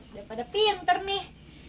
udah pada pinter nih